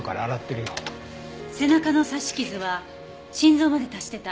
背中の刺し傷は心臓まで達してた。